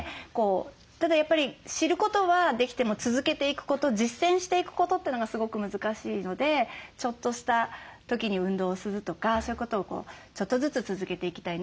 ただやっぱり知ることはできても続けていくこと実践していくことというのがすごく難しいのでちょっとした時に運動をするとかそういうことをちょっとずつ続けていきたいなって思いました。